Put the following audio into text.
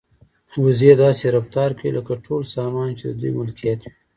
وزې داسې رفتار کوي لکه ټول سامان چې د دوی ملکیت وي.